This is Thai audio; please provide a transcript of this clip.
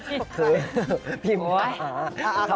คือพรีมขา